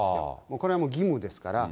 これはもう義務ですから。